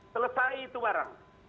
selesai itu barang